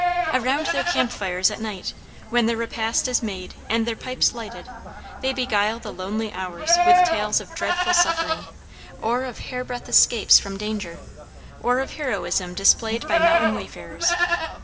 Around their camp fires at night, when their repast is made and their pipes lighted, they beguile the lonely hours with tales of dreadful suffering, or of hairbreadth escapes from danger, or of heroism displayed by mountain wayfarers.